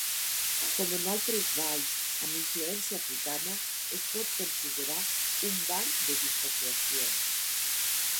Com en altres balls amb influència africana, es pot considerar un ball de dissociació.